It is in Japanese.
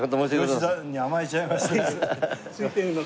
吉さんに甘えちゃいまして。